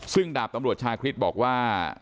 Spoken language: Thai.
ซึ่งดาบตำรวจชาคริสบอกว่า